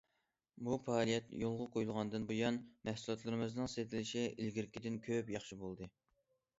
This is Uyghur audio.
بۇ پائالىيەت يولغا قويۇلغاندىن بۇيان، مەھسۇلاتلىرىمىزنىڭ سېتىلىشى ئىلگىرىكىدىن كۆپ ياخشى بولدى.